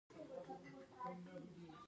هغوی یوځای د خوښ باغ له لارې سفر پیل کړ.